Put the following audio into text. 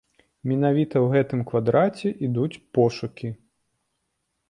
Менавіта ў гэтым квадраце ідуць пошукі.